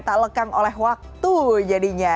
tak lekang oleh waktu jadinya